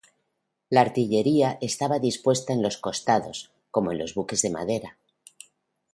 La artillería estaba dispuesta en los costados, como en los buques de madera.